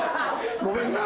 ごめんな！